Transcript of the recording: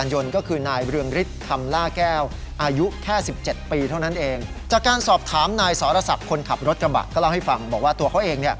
หลายรีดทำล่าแก้วอายุแค่๑๗ปีเท่านั้นเอง